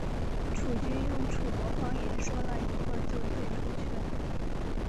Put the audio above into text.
楚军用楚国方言说了一会就退出去了。